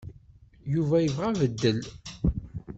Yuba yebɣa abeddel.